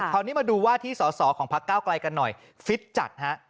พักก้าวกลายกันหน่อยฟิตจัดฮะ